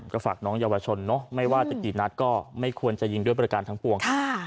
ก็ฝากน้องเยาวชนเนอะไม่ว่าจะกี่นัดก็ไม่ควรจะยิงด้วยประการทั้งปวง